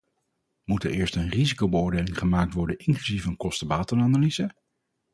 Moet er eerst een risicobeoordeling gemaakt worden inclusief een kosten-batenanalyse?